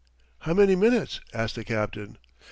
"How many minutes?" asked the captain.